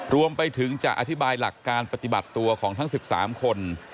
รวมไปถึงจะอธิบายหลักการปฏิบัติตัวของทั้ง๑๓คน